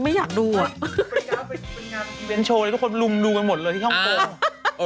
เป็นงานจะเป็นโชว์พ่อลุงดูกันหมดเลยที่ยี่ห้องโต